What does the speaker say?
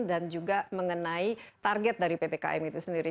dan juga mengenai target dari ppkm itu sendiri